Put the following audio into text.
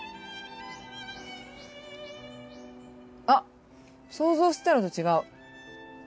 あっ想像してたのと違う。